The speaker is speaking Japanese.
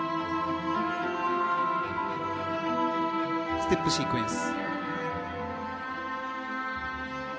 ステップシークエンス。